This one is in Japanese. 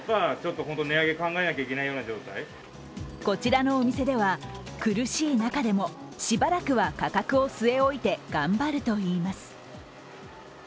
こちらのお店では、苦しい中でもしばらくは価格を据え置いて頑張るといいます。